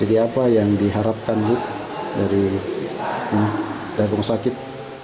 jadi apa yang diharapkan dari rumah sakit